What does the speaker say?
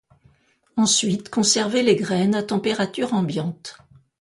Ensuite conserver les graines à température ambiante.